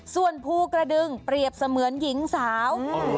ส่วนภูกระดึงเปรียบเสมือนหญิงสาว